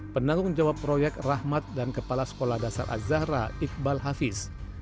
penanggung jawab proyek rahmat dan kepala sekolah dasar azahra iqbal hafiz